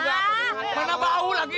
nanti mau aku lagi